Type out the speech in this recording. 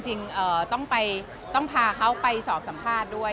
ก็จริงต้องไปต้องพาเขาไปสอบสัมภาษณ์ด้วย